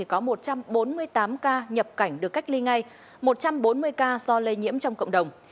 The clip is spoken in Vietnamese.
có một trăm bốn mươi tám ca nhập cảnh được cách ly ngay một trăm bốn mươi ca do lây nhiễm trong cộng đồng